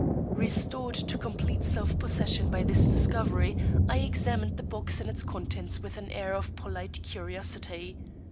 Restored to complete self possession by this discovery, I examined the box and its contents with an air of polite curiosity.